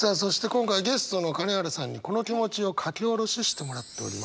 今回ゲストの金原さんにこの気持ちを書き下ろししてもらっております。